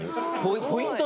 ポイント